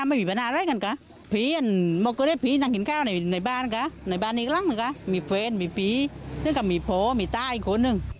มีเพื่อนมีเพียงก็มีพ่อมีตาอีกคนนึง